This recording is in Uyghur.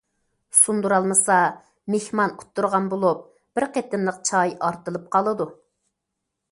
سۇندۇرالمىسا، مېھمان ئۇتتۇرغان بولۇپ، بىر قېتىملىق چاي ئارتىلىپ قالىدۇ.